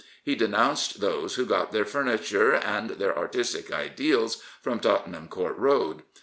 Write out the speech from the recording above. He denounced those who got their furniture and their artistic ideals from " Tottenham Court Road."